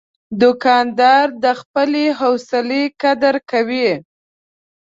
دوکاندار د خپلې حوصلې قدر کوي.